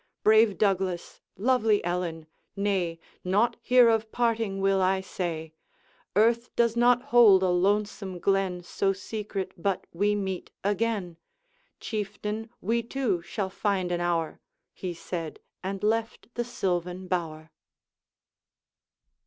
Brave Douglas, lovely Ellen, nay, Naught here of parting will I say. Earth does not hold a lonesome glen So secret but we meet again. Chieftain! we too shall find an hour,' He said, and left the sylvan bower.